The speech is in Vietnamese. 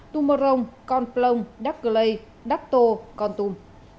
tung mô rồng con plông đắc lây đắc tô con tum